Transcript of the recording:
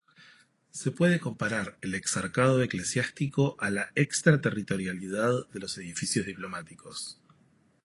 Se puede comparar el exarcado eclesiástico a la extraterritorialidad de los edificios diplomáticos.